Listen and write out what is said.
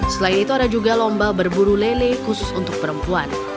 selain itu ada juga lomba berburu lele khusus untuk perempuan